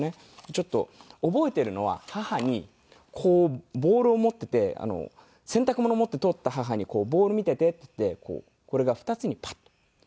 ちょっと覚えているのは母にこうボールを持っていて洗濯物持って通った母に「ボール見ていて」って言ってこれが２つにパッと。